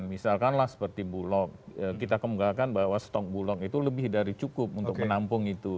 misalkanlah seperti bulog kita kemunggakan bahwa stok bulog itu lebih dari cukup untuk menampung itu